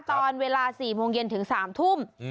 ตอนเวลา๔โมงเย็นถึง๓ทุ่ม